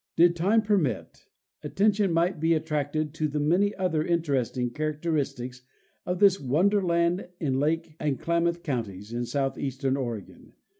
Did time permit, attention might be attracted to the many other interesting characteristics of this wonderland in Lake and Klamath counties, in southeastern Oregon.